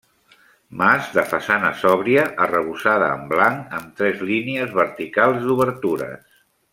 Mas de façana sòbria, arrebossada en blanc, amb tres línies verticals d'obertures.